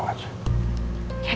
ngapain catherine ke bandung segala